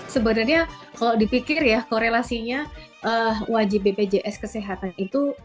sebenarnya kalau dipikir ya korelasinya wajib bpjs kesehatan itu